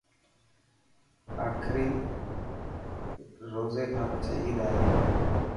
آخري روزي کان پڇي عيد آي تي